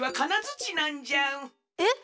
えっ！